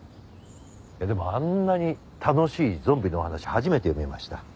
でもあんなに楽しいゾンビのお話初めて読みました。